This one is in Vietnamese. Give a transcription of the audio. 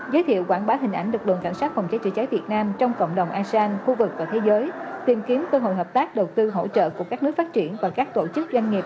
giới thiệu quảng bá hình ảnh